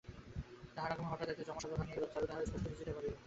তাহার আগমনে হঠাৎ একটা জমাট সভা ভাঙিয়া গেল, চারু তাহা স্পষ্টই বুঝিতে পারিল।